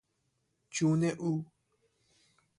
جون او